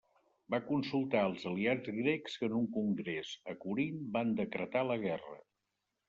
Va consultar als aliats grecs que en un congrés a Corint van decretar la guerra.